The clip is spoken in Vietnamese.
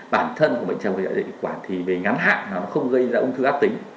bản thân của bệnh trào ngược dạ dày thực quản thì về ngắn hạng nó không gây ra ung thư ác tính